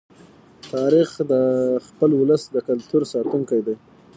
تاریخ د خپل ولس د کلتور ساتونکی دی.